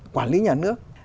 quản lý nhà nước